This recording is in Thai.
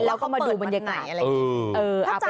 แล้วก็มาดูบรรยากาศอะไรอย่างงี้ไปตามดู